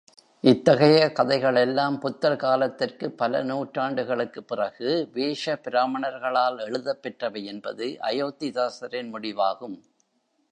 இத்தகைய கதைகளெல்லாம் புத்தர் காலத்திற்குப் பல நூற்றாண்டுகளுக்குப் பிறகு வேஷ பிராமணர்களால் எழுதப் பெற்றவையென்பது அயோத்திதாசரின் முடிவாகும்.